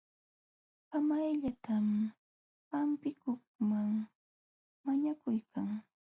Kamayllatam hampikuqkaq mañakuykan.